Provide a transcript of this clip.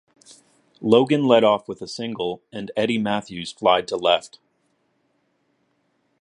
Logan led off with a single, and Eddie Mathews flied to left.